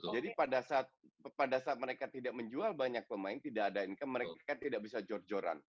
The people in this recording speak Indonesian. jadi pada saat mereka tidak menjual banyak pemain tidak ada income mereka tidak bisa jor joran